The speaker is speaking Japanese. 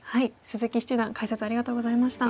鈴木七段解説ありがとうございました。